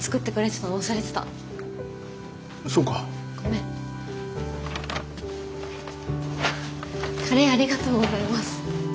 カレーありがとうございます。